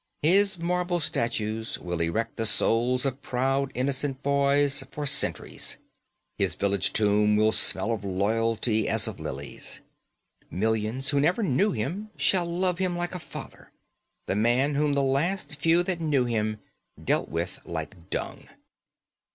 His marble statues will erect the souls of proud, innocent boys for centuries, his village tomb will smell of loyalty as of lilies. Millions who never knew him shall love him like a father this man whom the last few that knew him dealt with like dung.